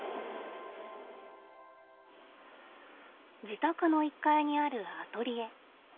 自宅の１階にあるアトリエ。